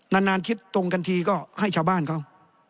นานคิดตรงกันทีก็ให้ชาวบ้านเขา